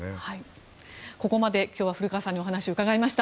ここまで今日は古川さんにお話を伺いました。